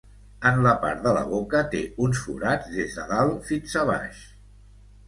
En la part de la boca té uns forats des de dalt fins a baix.